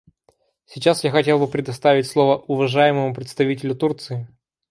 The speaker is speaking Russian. Сейчас я хотел бы предоставить слово уважаемому представителю Турции.